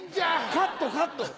カットカット！